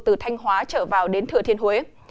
từ thanh hóa trở vào đến thừa thiên huế